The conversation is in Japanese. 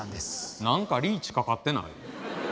何かリーチかかってない？